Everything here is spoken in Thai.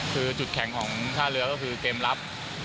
คือจุดแข็งของท่าเรือก็คือเกมรับ